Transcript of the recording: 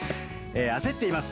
焦っています。